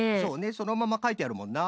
そのままかいてあるもんな。